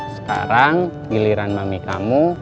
sekarang giliran mami kamu